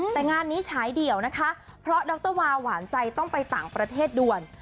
แต่งานนี้ฉายเดี่ยวนะคะเพราะดรวาหวานใจต้องไปต่างประเทศด่วน